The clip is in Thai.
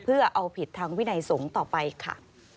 เพื่อเอาผิดทางวินัยสงฆ์ต่อไปค่ะ